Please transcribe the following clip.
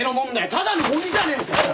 ただのゴミじゃねえかよ！